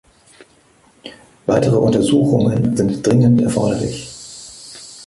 Weitere Untersuchungen sind dringend erforderlich.